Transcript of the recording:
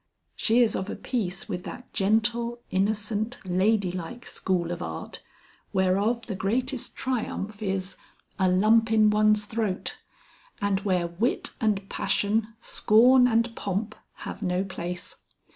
She is of a piece with that gentle innocent ladylike school of art whereof the greatest triumph is "a lump in one's throat," and where wit and passion, scorn and pomp, have no place.